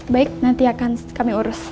baik nanti akan kami urus